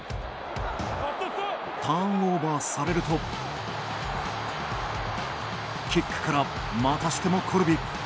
ターンオーバーされるとキックから、またしてもコルビ。